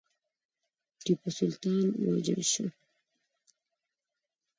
ټیپو سلطان ووژل شو.